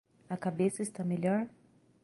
A cabeça está melhor?